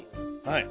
はい。